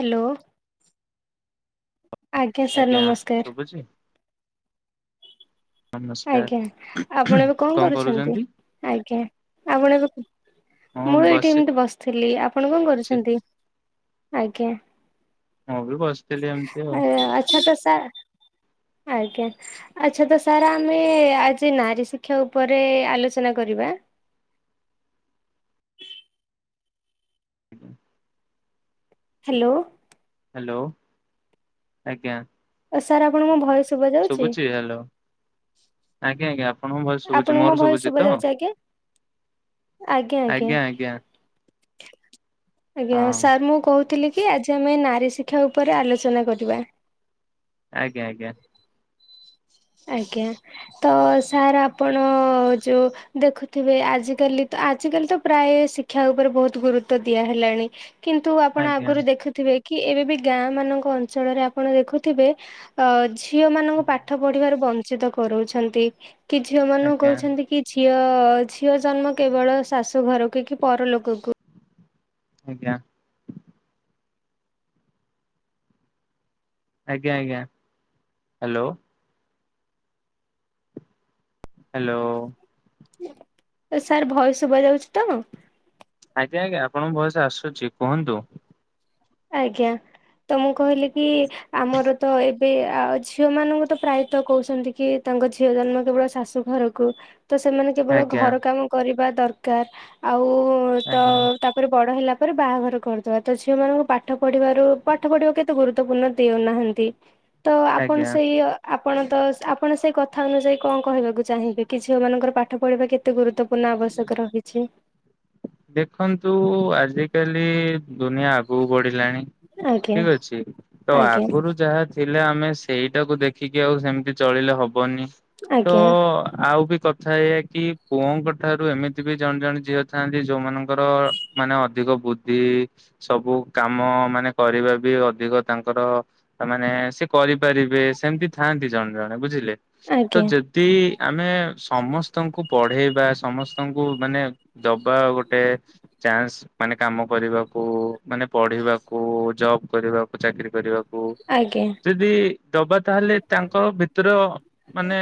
Hello. ଆଜ୍ଞା sir ନମସ୍କାର। ନମସ୍କାର ଆଜ୍ଞା ଆପଣ ଏବେ କଣ କରୁଛନ୍ତି ଆଜ୍ଞା ଆପଣ ଏବେ ହଁ ମୁଁ ଏଇଠି ଏମିତି ବସିଛି ବସିଥିଲି ଆପଣ କଣ କରୁଛନ୍ତି? ଆଜ୍ଞା। ମୁଁ ବି ବସିଥିଲି ଏମତି ଆଉ। ଆଚ୍ଛା ତ ଆଜ୍ଞା ଆଛା ତ ସାର ଆମେ ଆଜି ନାରୀ ଶିକ୍ଷା ଉପରେ ଆଲୋଚନା କରିବା। । ହ୍ୟାଲୋ। ହ୍ୟାଲୋ ଆଜ୍ଞା। ସାର୍ ଆପଣଙ୍କ ଭଏସ ଶୁଭା ଯାଉଛି? ଶୁଭୁଛି ହ୍ୟାଲୋ ଆଜ୍ଞା ଆଜ୍ଞା। ଆପଣ ଭଏସ ଶୁଭୁଛି ଆପଣଙ୍କୁ ମୋ ମୋର ଭଏସ ଶୁଭୁଛି ଶୁଭା ତ। ଯାଉଛି ଆଜ୍ଞା ଆଜ୍ଞା ଆଜ୍ଞା। ଆଜ୍ଞା ହଁ ସାର୍ ମୁଁ କହୁଥିଲି କି ଆଜି ଆମେ ନାରୀ ଶିକ୍ଷା ଉପରେ ଆଲୋଚନା କରିବା। ଆଜ୍ଞା ଆଜ୍ଞା। ଆଜ୍ଞା। ତ ସାର୍ ଆପଣ ଯୋଉ ଦେଖୁଥିବେ ଆଜିକାଲି ତ ଆଜିକାଲି ତ ପ୍ରାୟ ଶିକ୍ଷା ଉପରେ ବହୁତ ଗୁରୁତ୍ଵ ଦିଆ ହେଲାଣି କିନ୍ତୁ ଆପଣ ଆଜ୍ଞା ଆଗରୁ ଦେଖୁଥିବେ କି ଏବେ ବି ଗାଁ ମାନଙ୍କ ଅଞ୍ଚଳରେ ଆପଣ ଦେଖୁଥିବେ ଅ ଝିଅ ମାନଙ୍କ ପାଠ ପଢିବାରୁ ବଞ୍ଚିତ କରୁଛନ୍ତି କି ଝିଅ ମାନଙ୍କୁ ଆଜ୍ଞା କହୁଛନ୍ତି କି ଝି ଝିଅ ଝିଅ ଜନ୍ମ କେବଳ ଶାଶୁ ଘରକୁ କି ପରଲୋକକୁ ଆଜ୍ଞା। ଆଜ୍ଞା ଆଜ୍ଞା ହ୍ୟାଲୋ। ହ୍ୟାଲୋ। ସାର୍ ଭୟସ ଶୁଭା ଯାଉଛି ତ। ଆଜ୍ଞା ଆଜ୍ଞା ଆପଣଙ୍କ ଭଏସ ଆସୁଛି କୁହନ୍ତୁ। ଆଜ୍ଞା। ତ ମୁଁ କହିଲି କି ଆମର ତ ଏବେ ଆ ଝିଅ ମାନଙ୍କୁ ତ ପ୍ରାୟତ କହୁଛନ୍ତି କି ତାଙ୍କ ଝିଅ ଜନ୍ମ କେବଳ ଶାଶୁ ଘରକୁ। ତ ସେମାନେ କେବଳ ଆଜ୍ଞା ଘର କାମ କରିବା ଦରକାର ଆଉ ତ ଆଜ୍ଞା ତାପରେ ବଡ ହେଲା ରେ ବାହାଘର କରଦବା ତ ଝିଅ ମାନଙ୍କୁ ପାଠ ପଢିବାରୁ ପାଠ ପଢିବା କେତେ ଗୁରୁତ୍ୱପୂର୍ଣ ଦେଉନାହାନ୍ତି ତ ଆପଣ ଆଜ୍ଞା ସେଇ ଆ ଆପଣ ତ ଆପଣ ସେଇ କଥା ଅନୁଯାୟୀ କଣ କହିବାକୁ ଚାହିଁବେ କି ଝିଅ ମାନଙ୍କର ପାଠ ପଢିବା କେତେ ଗୁରୁତ୍ୱପୂର୍ଣ୍ଣ ଆ ଆବଶ୍ୟକ ରହିଛି। ଦେଖନ୍ତୁ ଆଜିକାଲି ଦୁନିଆ ଆଗୁ ବଢିଲାଣି ଆଜ୍ଞା ଠିକ୍ ଅଛି ତ ଆଜ୍ଞା ଆଗରୁ ଯାହା ଥିଲା ଆମେ ସେଇଟାକୁ ଦେଖିକି ଆଉ ସେମିତି ଚଳିଲେ ହବନି ତ ଆଜ୍ଞା ଆଉ ବି କଥା ହେଇ ହେଇକି ପୁଅଙ୍କ ଠାରୁ ଏମିତି ବି ଜଣେ ଜଣେ ଝିଅ ଥାନ୍ତି। ଯୋଉମାନଙ୍କର ମାନେ ଅଧିକ ବୁଦ୍ଧି ସବୁ କାମ ମାନେ କରିବା ବି ଅଧି ଦେଖ ତାଙ୍କର ତା ମାନେ ସେ କରିପାରିବେ। ସେମତି ଥାନ୍ତି ଜଣେ ଜଣେ ବୁଝିଲେ। ତ ଆଜ୍ଞା ଯଦି ଆମେ ସମସ୍ତଙ୍କୁ ପଢେଇ ବା ସମସ୍ତଙ୍କୁ ମାନେ ଦବା ଗୋ ଗୋଟ ଚାନ୍ସ ମାନେ କାମ କରିବାକୁ ମାନେ ପଢିବାକୁ ଜବ କରିବାକୁ ଚା ଚାକିରି କରିବା ଆଜ୍ଞା ଯଦି ଦବା ତାହେଲେ ତାଙ୍କ ଭିତର ମାନେ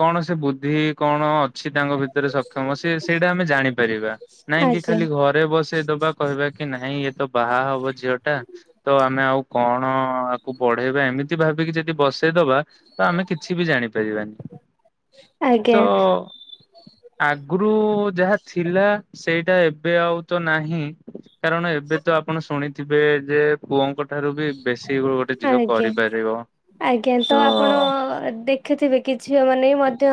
କଣ ସେ ବୁଦ୍ଧି କଣ ଅଛି ତାଙ୍କ ଭିତରେ ସକ୍ଷମ ସେ ସେଇଟା ଆମେ ଜାଣିପାରିବା। ନାଇଁକି ଆଜ୍ଞା। ଖାଲି ଘରେ ବସେଇଦବା କହିବା କି? ନାହିଁ ଇଏ ତ ବାହା ହବ ଝିଅ ଟା ତ ଆମେ ଆଉ କଣ ଆକୁ ପଢେଇବା ଏମିତି ଭାଵି ଯଦି ବସେଇଦବା ତ ଆମେ କିଛି ବି ଜାଣି ପାରିବାନି। ଆଜ୍ଞା ତ ଆଗରୁ ଯାହା ଥିଲା। ସେଇଟା ଏବେ ଆଉ ତ ନାହିଁ। କାରଣ ଏବେ ତ ଆପଣ ଶୁଣିଥିବେ ଯେ ପୁଅଙ୍କ ଠାରୁ ବି ବେଶୀ ଗୋଟେ ଝିଅ ଆଜ୍ଞା କରିପାରିବ। ଆଜ୍ଞା ତ ଆପଣ ଦେଖିଥିବେ କି ଝିଅମାନେ ମଧ୍ୟ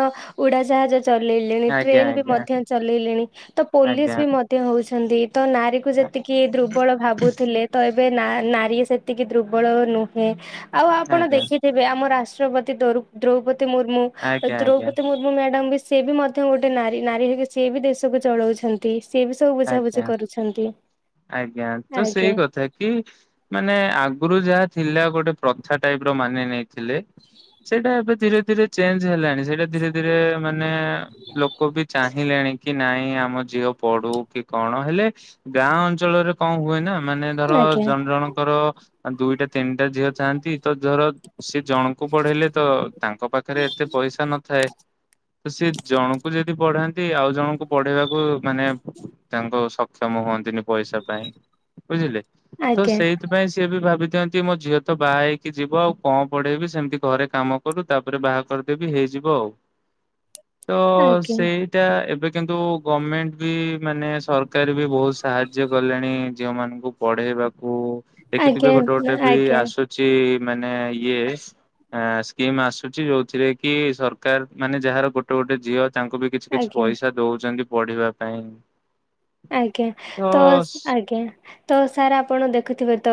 ଉଡ଼ାଜାହାଜ ଚଲେଇଲେଣି ଆଜ୍ଞା ଟ୍ରେନ ବି ଆଜ୍ଞା ମଧ୍ୟ ଚଲେଇଲେଣି ତ ପୋଲିସ ଆଜ୍ଞା ବି ମଧ୍ୟ ହଉଛନ୍ତି। ତ ନାରୀ କ ଯେତିକି ଦୁର୍ବଳ ଭାବୁଥିଲେ ତ ଏବେ ନା-ନାରୀ ସେ ଏତିକି ଦୁର୍ବଳ ନୁହେଁ ଆଉ ଆଜ୍ଞା ଆପଣ ଆଜ୍ଞା ଦେଖିଥିବେ ଆମ ରାଷ୍ଟ୍ରପତି ଦ୍ରୌ-ଦ୍ରୋପଦୀ ମୁର୍ମୁ ଆଜ୍ଞା। ଦ୍ରୌପଦୀ ମୁର୍ମୁ ମ୍ୟାଡ଼ାମ ବି ସେ ବି ମଧ୍ୟ ଗୋଟେ ନାରୀ ନାରୀ ହେଇକି ସିଏ ବି ଦେଶକୁ ଚଳଉଛନ୍ତି। ସିଏ ବି ସବୁ ବୁଝାବୁଝି ଆଜ୍ଞା କରୁଛନ୍ତି ଆଜ୍ଞା ତ ସେଇ ଆଜ୍ଞା କଥା କି ମାନେ ଆଗରୁ ଯାହା ଥିଲା ଗୋଟେ ପ୍ରଥା ଟାଇପ ର ମାନି ନେଇଥିଲେ ସେଇଟା ଏବେ ଧୀରେ ରେ ଧୀରେ ଚେଞ୍ଜ ହେଲାଣି ସେଇଟା ଧୀରେ ଧୀରେ ମାନେ ଲୋକ ବି ଚା ଚାହିଁଲାଣୀ କି ନାଇଁ ଆମ ଝିଅ ପଢୁ କି କଣ ହେଲେ ଗାଁ ଅଞ୍ଚଳରେ କଣ ହୁଏ ନା। ମାନେ ଧର ଆଜ୍ଞା ଜଣ ଜଣଙ୍କର ଦୁଇଟା ତିନିଟା ଝିଅ ଥାଆନ୍ତି ତ ଧର ସେ ଜଣଙ୍କୁ ପଢେଇଲେ ତ ତାଙ୍କ ପାଖରେ ଏତେ ପଇସା ନଥାଏ ତ ସେ ଜଣଙ୍କୁ ଯେ ପଢାନ୍ତି ଆଉ ଜଣଙ୍କୁ ପଢେଇବାକୁ ମାନେ ସକ୍ଷମ ହୁଅନ୍ତିନି ପଇସା ପାଇଁ ବୁଝିଲେ ତ ଆଜ୍ଞା ସେଇଥିପାଇ ସିଏ ବି ଭାବି ମୋ ଝିଅ ତ ବାହା ହେଇକି ଯିବ ଆଉ କଣ ପଢ଼େଇବି ସେମିତି ଘରେ କାମ କରୁ ତାପରେ ବାହା କରିଦେବି ହେଇ ଯିବ ଆଉ ତ ଆଜ୍ଞା ସେଇଟା ଏବେ କିନ୍ତୁ ଗମେଣ୍ଟ ବି ମାନେ ସରକାର ବି ବହୁତ ସାହାଯ୍ୟ କଲେଣି ଝିଅ ମାନଙ୍କୁ ପଢେଇବାକୁ ଆଜ୍ଞା ଦେଖିଥିବେ ଗୋଟେ ଗୋଟେ ବି ଆଜ୍ଞା ଆସୁଛି ମାନେ ଇଏ ଆ ସ୍କିମ୍ ଆସୁଛି ଯୋଉଥିରେ କି ସରକାର ମାନେ ଯାହାର ଗୋଟେ ଗୋଟେ ଝିଅ ତାଙ୍କୁ ବି କିଛି କିଛି ଆଜ୍ଞା। ପଇସା ଦଉଛନ୍ତି ପଢିବା ପାଇଁ ଆଜ୍ଞା ତ ଆଜ୍ଞା ତ ସାର୍ ଆପଣ ଦେଖୁଥିବେ ତ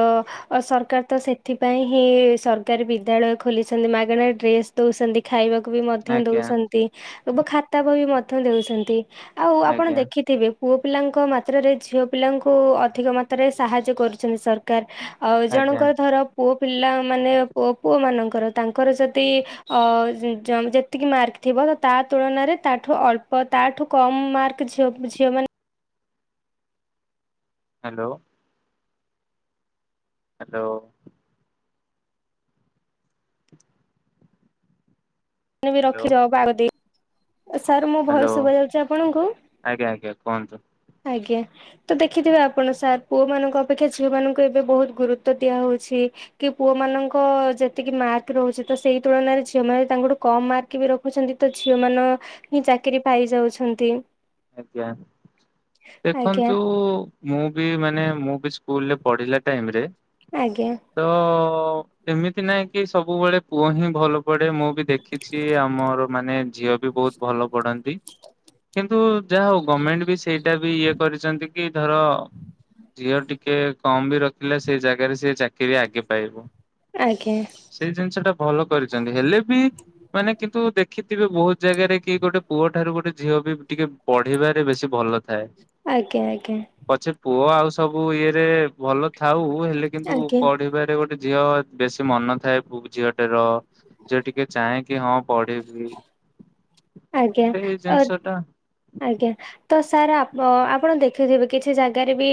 ସରକାର ତ ସେଥିପାଇଁ ହିଁ ସରକାରୀ ବିଦ୍ୟାଳୟ ଖୋଲି ଛନ୍ତି ମାଗେଣା ଡ୍ରେସ ଦଉଛନ୍ତି ଖାଇବାକୁ ବି ମଧ୍ୟ ଆଜ୍ଞା ଦଉଛନ୍ତି ଖାତା ବହି ମଧ୍ୟ ଦଉଛନ୍ତି ଆଉ ଆପଣ ଆଜ୍ଞା ଦେଖିଥିବେ ପୁଅ ପିଲାଙ୍କ ମାତ୍ରରେ ଝିଅ ପିଲାଙ୍କୁ ଅଧିକ ମାତ୍ରାରେ ସାହାଯ୍ୟ କରୁଛନ୍ତି ସରକାର ଆଉ ଆଜ୍ଞା ଜଣଙ୍କର ଧର ପୁଅ ପିଲା ମାନେ ପୁଅ ପୁଅ ମାନଙ୍କ ତାଙ୍କର ଯଦି ଓ ଯେତିକି ମାର୍କ ଥିବ ତା ତୁଳନାରେ ତାଠୁ ଅଳ୍ପ ତାଠୁ କମ୍ ମାର୍କ ଝିଅ ଝିଅମାନେ hello hello maybe hello ରଖିର ବାର ଦେଇ ସାର୍ ମୋ ଭଏସ ହ୍ୟାଲୋ ଶୁଭା ଯାଉଛି ଆପଣଙ୍କୁ ଆଜ୍ଞା ଆଜ୍ଞା କୁହନ୍ତୁ। ଆଜ୍ଞା। ତ ଦେଖିଥିବେ ଆପଣ ସାର୍ ପୁଅ ମାନଙ୍କ ଅପେକ୍ଷା ଝିଅ ମାନଙ୍କୁ ଏବେ ବହୁତ ଗୁରୁତ୍ୱ ଦିଆ ହଉଚି କି ପୁଅ ମାନଙ୍କ ଯେତିକି ମାର୍କ ରହୁଚି ତ ସେଇ ତୁଳନାରେ ଝିଅ ମାନେ ତା କମ ମାର୍କ ବି ରଖୁଛନ୍ତି ତ ଝିଅ ମାନ ହିଁ ଚାକିରି ପାଇଯାଉଛନ୍ତି। ଆଜ୍ଞା ଆଜ୍ଞା ଦେଖନ୍ତୁ ମୁଁ ବି ମାନେ ମୁଁ ସ୍କୁଲ ରେ ପଡିଲା ଟାଇମ ରେ ଆଜ୍ଞା। ତ ଏମିତି ନାଇଁ କି ସବୁବେଳେ ପୁଅ ହିଁ ଭଲ ପଢ ମୁଁ ବି ଦେଖିଚି ଆମର ମାନେ ଝିଅ ବି ବହୁତ ଭଲ ପଢନ୍ତି କିନ୍ତୁ ଯାହା ହଉ ଗମେଣ୍ଟ ବି ସେଇଟା ବି ଇଏ କରିଚନ୍ତି କି ଧର ଝିଅ ଟିକେ କମ ବି ରଖିଲା ସେଇ ଜାଗାରେ ସେ ଚାକିରି ଆଗେ ପାଇବ। ଆଜ୍ଞା। ସେଇ ଜିନିଷ ଟା ଭଲ କରିଚନ୍ତି ହେଲେ ବି ମାନେ କିନ୍ତୁ ଦେ କିନ୍ତୁ ବହୁତ ଜାଗାରେ କି ଗୋଟେ ପୁଅଠାରୁ ଗୋଟେ ଝିଅ ବି ପଢିବାରେ ବେଶୀ ଭଲ ଥାଏ ଆଜ୍ଞା ଆଜ୍ଞା ପଛେ ପୁଅ ଆଉସ ସବୁ ଇଏ ରେ ଭଲ ଥାଉଁ ହେଲେ କିନ୍ତୁ ପଢିବାରେ ଗୋଟେ ଝିଅ ବେଶୀ ମନ ଥାଏ। ଝିଅ ଟେ ର ଯିଏ ଟିକେ ଚାହେଁ କି ହଁ ପଢିଇବି। ଆଜ୍ଞା ଅ ଆଜ୍ଞା ତ ସାର୍ ଆପ ଆପଣ ଦେଖିଥିବେ କିଛି ଜାଗାରେ ବି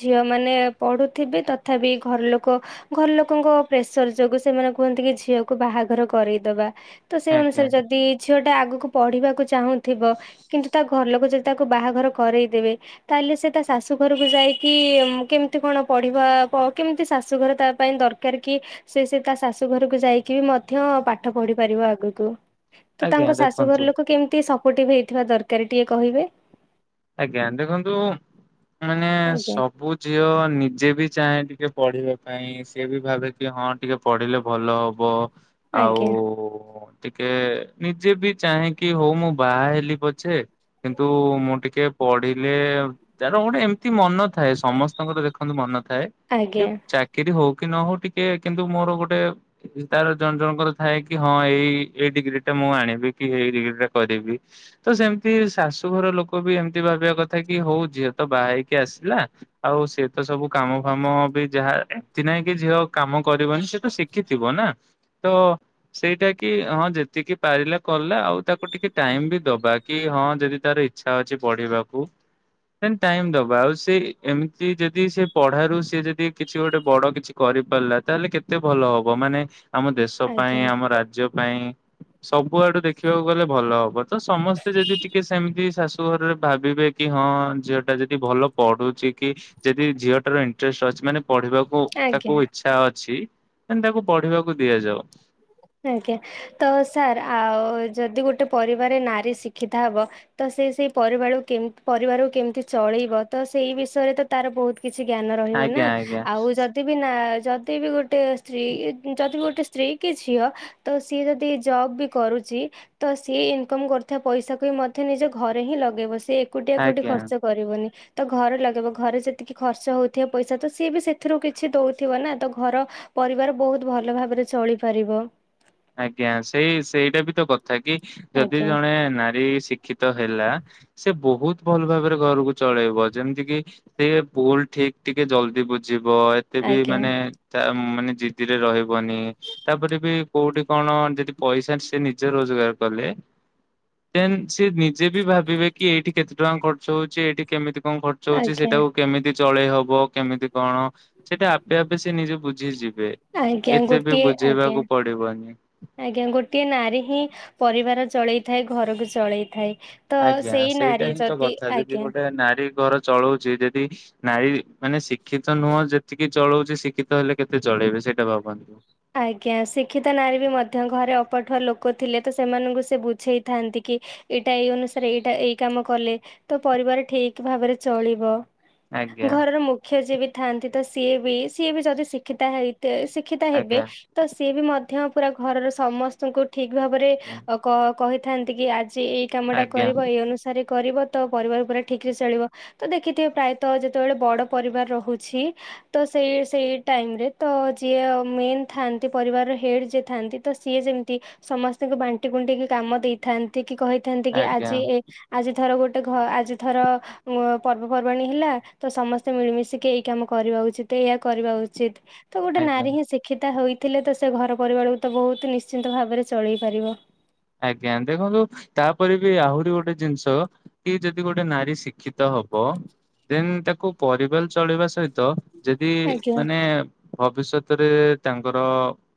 ଝିଅମାନେ ପଢ ଥିବେ ତଥାପି ଘର ଲୋକ ଘରଲୋକଙ୍କ ପ୍ରେସର ଯୋଗୁଁ ସେମାନେ କୁହନ୍ତି କି ଝିଅକୁ ବାହାଘର କରଦିଅ। କରିଦବା ତ ସେଇ ଆଜ୍ଞା ଅନୁସାରେ ଯଦି ଝିଅଟା ଆଗ ପଢିବାକୁ ଚାହୁଁଥିବ କିନ୍ତୁ ତା ଘର ଲୋକ ଯଦି ତାକୁ ବାହାଘର କରେଇଦେବେ ତାହେଲେ ସେ ତା ଶାଶୁ ଘରକୁ ଯାଇକି କେମିତି କଣ ପଢିବା କ କେମିତି ଶାଶୁଘର ତା ପାଇଁ ଦରକାର କି ରେ ସେ ତା ଶାଶୁ ଘରକୁ ଯାଇକି ବି ମଧ୍ୟ ପାଠ ପଢି ପାରିବ ଆଗୁକୁ। ତ ଆଜ୍ଞା ତାଙ୍କ ଶାଶୁଘର ଦେଖନ୍ତୁ ଲୋକ କେମିତି ସପୋର୍ଟିଭ ହେଇଥିବା ଦରକାର ଟିକେ କହିବେ। ଆଜ୍ଞା ଦେଖନ୍ତୁ ମାନେ ଆଜ୍ଞା ସବୁ ଝିଅ ନିଜେ ବି ଚାହେଁ ଟିକେ ପଢ଼ିବା ପାଇଁ ସିଏ ବି ଭାବେ କି ହଁ ଟିକେ ପଢ଼ିଲେ ଭଲ ହବ। ଆଉ ଆଜ୍ଞା ଟିକେ ନିଜେ ବି ଚାହେଁ କି ହଉ ମୁଁ ବାହା ହେଲି ପଛେ କିନ୍ତୁ ମୁଁ ଟିକେ ପଢିଲେ ତାର ଗୋଟେ ଏମତି ମନ ଥାଏ ସମସ୍ତଙ୍କର ଦେଖନ୍ତୁ ମନ ଥାଏ କି ଆଜ୍ଞା ଚାକିରି କି ନ ହଉ ଟିକେ କିନ୍ତୁ ମୋର ଗୋଟେ ତାର ଜଣ ଜଣଙ୍କର ଥାଏ କି ହଁ ଏଇ ଏଇ ଡିଗ୍ରୀ ଟା ମୁଁ ଆଣିବି କି ଏଇ ଡିଗ୍ରୀ ଟା କରିବି ତ ସେମିତି ଶାଶୁଘର ଲୋକ ବି ଏମତି ଭାବିବା କଥା କି ହଉ ଝିଅ ତ ବାହା ହେଇକି ଆସିଲା ଆଉ ସିଏ ତ ସବୁ କାମ ଫାମ ବି ଯାହା ଏଥି ନାଇଁ କି ଝିଅ କାମ କରିବନି ସେ ତ ଶିଖିଥିବ ନା ତ ସେଇ କି ହଁ ଯେତିକି ପାରିଲା କଲା ଆଉ ତାକୁ ଟିକେ ଟାଇମ ବି ଦବା କି ହଁ ଯଦି ତାର ଇଛା ଅଛି ପଢିବାକୁ ସେ ଟାଇମ ଦବା ଆଉ ସେ ଏମିତି ଯଦି ସେ ପଢାରୁ ସିଏ ଯଦି କିଛି ଗୋଟେ ବଡ କିଛି କର କରିପାରିଲା ତାହେଲେ କେତେ ଭଲ ହବ ମାନେ ଆମ ଦେଶ ପାଇଁ ଆଜ୍ଞା ଆମ ରାଜ୍ୟ ପାଇଁ ସବୁ ଆଡୁ ଦେଖିବାକୁ ଗଲେ ଭଲ ହବ ତ ସମସ୍ତେ ଯଦି ଟିକେ ସେମିତି ଶାଶୁ ଘରରେ ଭାବିବେ କି ହଁ ଝିଅ ଟା ଯଦି ଭଲ ପଢୁଚି କି ଯଦି ଝିଅ ଟାର ଇନଟ୍ରେଷ୍ଟ ଚଚ ମାନେ ପଢିବାକୁ ଆଜ୍ଞା। ତାକୁ ଇଛା ଅଛି ମାନେ ତାକୁ ପଢିବାକୁ ଦିଆଯାଉ। ଆଜ୍ଞା ତ ସାର୍ ଆଉ ଯଦି ଗୋଟେ ପରିବାର ନାରୀ ଶିକ୍ଷିିତା ହବ ସେ ସେଇ ପରିବାଳକୁ କେମ ପରିବାରକୁ କେମିତି ଚଳେଇବ ତ ସେଇ ବିଷୟରେ ତ ତାର ବହୁତ କିଛି ଜ୍ଞାନ ରହିବ ନା ଆଜ୍ଞା ଆଜ୍ଞା ଆଉ ଯଦି ବି ନା ଯଦି ବି ଗୋଟେ ସ୍ତ୍ରୀ ଯଦି ବି ଗୋଟେ ସ୍ତ୍ରୀ କି ଝିଅ ତ ସିଏ ଯଦି ଜବ ବି କରୁଚି ତ ସିଏ ଇନକମ କରୁଥିବା ପଇସାକୁ ମଧ୍ୟ ନିଜ ଘରେ ରେ ହିଁ ଲଗେଇବ ସେ ଏକୋଟିଆ କାଉଟି ଆଜ୍ଞା। ଖର୍ଚ୍ଚ କରିବନି। ତ ଘରେ ଲଗେଇବ ଘରେ ଯେତିକି ଖର୍ଚ୍ଚ ହଉଥିବ ପଇସା ତ ସିଏ ବି ସେଥିରୁ କିଛି ଦଉଥିବ ନା ତ ଘର ପରିବାର ବହୁତ ଭଲ ଭାବରେ ଚଳିପାରିବ। ଆଜ୍ଞା! ସେଇ ସେଇଟା ବି ତ କଥା କି ଯଦି ଆଜ୍ଞା ଜଣେ ନାରୀ ସିକ୍ ଶିକ୍ଷିତ ହେଲା ସେ ବହୁତ ଭଲ ଭାବରେ ଘରକୁ ଚଳେଇବ, ଯେମିତି କି ସେ ବୁଲ ଠିକ ଦ ଟିକ ଜଲଦି ବୁଝିବ। ବ ଏତେ ବି ଆଜ୍ଞା ମାନେ ମାନେ ଜିଦିରେ ରହିବନି, ତାପରେ ବି କୋଉଠି କଣ ଯଦି ପଇସା ସେ ନିଜେ ରୋଜଗାର କଲେ, ଦେନ୍ ସେ ଯିଏ ବି ଭାବିବେ କି ଏଇଠି କେତେ ଟଙ୍କା ଖର୍ଚ୍ଚ ହଉଛି, ଏଇଠି କେମିତି କଣ ଖର୍ଚ୍ଚ ହଉଛି, ଆଜ୍ଞା ସେଇଟାକୁ କେମିତି ଚଳେଇ ହବ କେମିତି କଣ ସେଟା ଆପେ-ଆପେ ସେ ନିଜେ ବୁଝିଯିବେ, ଏତେ ବି ବୁଝେଇବାକୁ ପଡିବନି। ଆଜ୍ଞା-ଗୋଟିଏ ନାରୀ ହିଁ ପରିବାର ଚଳେଇ ଥାଏ, ଘରକୁ ଚଳେଇ ଥାଏ। ଆଜ୍ଞା! ସେଇଟା ହିଁ ତ କଥା ଯଦି ଆଜ୍ଞା ଗୋଟେ ନାରୀ ଘର ଚଳଉଛି, ଯଦି ନାରୀ ମାନେ ଶିକ୍ଷିତ ନୁହଁ, ଯେତିକି ଚଳଉଛି ଶିକ୍ଷିତ ହେଲେ କେତେ ଚଳେ ଇବେ ସେଇଟା ଭାବନ୍ତୁ। ଆଜ୍ଞା! ଶିକ୍ଷିତ ନାରୀ ବି ମଧ୍ୟ ଘରେ ଅପଠୁଆ ଲୋକ ଥିଲେ ତ ସେମାନଙ୍କୁ ସେ ବୁଝେଇଥାନ୍ତି କି କି ଏଇଟା ଏଇ ଅନୁସାରେ ଏଇଟା ଏଇ କାମ କଲେ, ତ ପରିବାର ଠିକ ଭାବରେ ଚଳିବ। ଆଜ୍ଞା ଘରର ମୁଖ୍ୟ ଯିଏ ବି ଥାଆନ୍ତି, ତ ସିଏ ବି ସିଏ ବି ଯଦି ଶିକ୍ଷିିତା ହେଇ ଶିକ୍ଷିତା ହେବେ ଆଜ୍ଞା ତ ସିଏ ବି ମଧ୍ୟ ପୁରା ଘରର ସମସ୍ତଙ୍କୁ ଠିକ ଭାବରେ ଆଜ୍ଞା କ କହିଥାନ୍ତି, କି ଆଜି ଏଇ କାମଟା ଆଜ୍ଞା କରିବ, ଏଇ ଅନୁସାରେ କରିବ ତ ପରିବାର ପୁରା ଠିକ୍ ରେ ଚଳିବ, ତ ଦେଖିଥିବେ ପ୍ରାୟତଃ! ଯେତେବେଳେ ବଡ଼ ପରିବାର ରହୁଛି ତ ସେ ସେଇ ଟାଇମରେ ତ ଯିଏ ମେନ ଥାନ୍ତି ପରିବାରର ହେଡ୍ ଯିଏ ଥାନ୍ତି, ତ ସିଏ ଯେମିତି ସମସ୍ତଙ୍କୁ ବାଣ୍ଟି କୁଣ୍ଟକି କାମ ଦେଇଥାନ୍ତି କହିଥାନ୍ତି, କି ଆଜ୍ଞା ଆଜି ଏ ଆଜି ଥର ଗୋଟେ ଗୋଟେ ଆଜିଥର ପର୍ବପର୍ବାଣୀ ହେଲା, ତ ସମସ୍ତେ ମିଳିମିଶିକି ଏଇ କାମ କରିବା ଉଚିତ। କରିବା ଉଚିତ। ତ ଗୋଟେ ଆଜ୍ଞା। ନାରୀ ହିଁ ଶିଖି ହେଥିଲେ, ତ ସେ ଘର ପରିବାରକୁ ତ ବହୁତ ନିଶ୍ଚିନ୍ତ ଭାବରେ ଚଳେଇ ପାରିବ। ଆଜ୍ଞା! ଦେଖନ୍ତୁ ତାପରେ ବି ଆହୁରି ଗୋଟେ ଜିନିଷ, କି ଯଦି ଗୋଟେ ନାରୀ ଶିକ୍ଷିତ ହବ। ଦେନ ତାକୁ ପରିବଲ ଚଳେଇବା ସହିତ ଯଦି ଆଜ୍ଞା ମାନେ ଭବିଷ୍ୟତରେ ତାଙ୍କର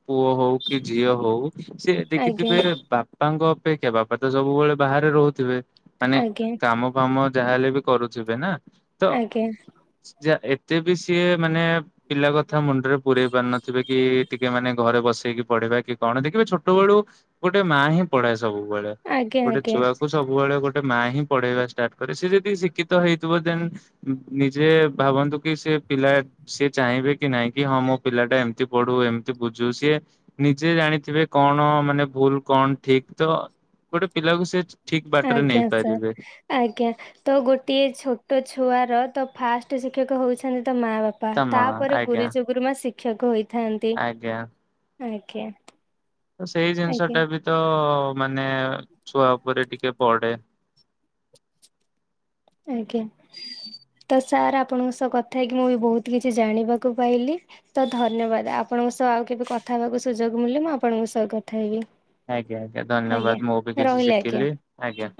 ପୁଅ ହଉ କି ଝିଅ ହଉ ସେି ଆଜ୍ଞା ଦେଖିଥିବେ, ବାପାଙ୍କ ଅପେକ୍ଷା ବାପା ତ ସବୁବେଳେ ବାହାରେ ରହୁଥିବେ ମାନେ ଆଜ୍ଞା କାମ ଫାମ ଯାହାହଲେ ବି କରୁଥିବେ ନା। ଆଜ୍ଞ! ଯ ଏତେ ବି ସିଏ ମାନେ ପିଲା କଥା ମୁଣ୍ଡରେ ପୂରେଇ ପାରୁନଥିବେ, କି ଟିକେ ମାନେ ଘରେ ବସେଇକି ପଢାଇବା କି କଣ ଦେଖିବେ ଛୋଟ ବେଳୁ ଗୋଟେ ମା ହିଁ ପଢାଏ। ସବୁବେଳେ ଆଜ୍ଞା ଗୋଟେ ଆଜ୍ଞା ଛୁଆକୁ ସବୁବେଳେ ଗୋଟେ ଗୋଟେ ମା ହିଁ ପଢେଇବା ଷ୍ଟାର୍ଟ କରେ ସେ ଯଦି ଶିକ୍ଷିତ ହେଇଥିବ ଦେନ୍ ନିଜେ ଭାବନ୍ତୁ କି ସେ ପିଲା ସେ ଚାହିଁବେ କି ନାଇଁ କି ହଁ ମୋ ପିଲା ଟା ଏମିତି ପଢୁ ଏମିତି ବୁଝୁ ସିଏ ନିଜେ ଜାଣିଥିବେ କଣ ମାନେ ଭୁଲ କଣ ଠିକ ତ ଗୋଟେ ପିଲାକୁ ସେ ଠିକ ବାଟରେ ଆଜ୍ଞା ସାର୍ ନେଇପାରିବେ। ଆଜ୍ଞା ତ ଗୋଟିଏ ଛୋଟ ଛୁଆର ତ ଫାଷ୍ଟ ଶିକ୍ଷକ ହଉଛନ୍ତି ତ ମା ବାପା ତମା ତାପରେ ଆଜ୍ଞା ଗୁରୁଜଗୁରୁମା ଶିକ୍ଷକ ହୋଇ ଆଜ୍ଞା ଆଜ୍ଞା ସେଇ ଜିନିଷ ଆଜ୍ଞା ଟା ବି ତ ମାନେ ଛୁଆ ଉପରେ ଟିକେ ପଢେ-' [inaudible] ଆଜ୍ଞା ତ ସାର୍ ଆପଣଙ୍କ ସହ କଥା ହେଇକି ମୁଁ ବି ବହୁତ କିଛି ଜାଣିବାକୁ ପାଇଲି। ତ ଧନ୍ୟବାଦ ଆପଣ ଙ୍କ ସହ ଆଉ କେବେ କଥା ହେବାକୁ ସୁଯୋଗ ମିଳିଲେ ମୁଁ ଆପଣଙ୍କ ସହ କଥା ହେବି। ଆଜ୍ଞା ଆଜ୍ଞା ଆଜ୍ଞା ଧନ୍ୟବାଦ ମୁଁ ବି କିଛି ରହିଲି ଆଜ୍ଞା ଶିଖିଲି। ଆଜ୍ଞା [inaudible]